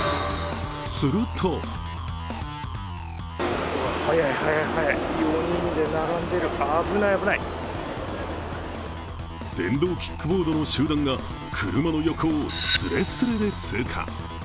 すると電動キックボードの集団が車の横をすれすれで通過。